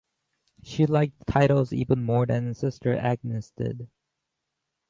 She liked titles even more than Sister Agnes did.